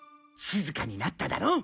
静かになっただろ？